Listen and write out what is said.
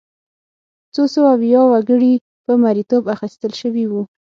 څو سوه ویا وګړي په مریتوب اخیستل شوي وو.